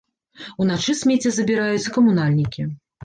Уначы смецце забіраюць камунальнікі.